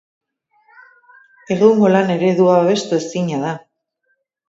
Egungo lan-eredua babestu ezina da.